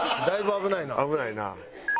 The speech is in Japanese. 危ないな。